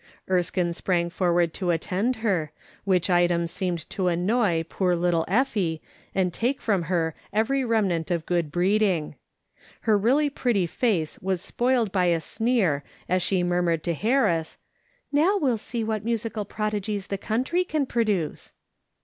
Erskine sprang forward to attend her, which item seemed to annoy poor little Effie and take from her every remnant of good breeding. Her really pretty face was spoiled by a sneer as she murmured to Harris, " Now we shall see what musical prodigies the country can produce."